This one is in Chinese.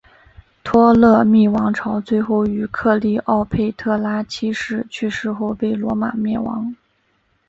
托勒密王朝最后于克丽奥佩特拉七世去世后被罗马灭亡。